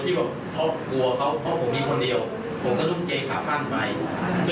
แต่ผมยอมรับว่าผมตบตบใครพี่หยิบ๒ที่อยู่นอกรถทบหัว